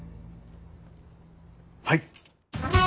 はい。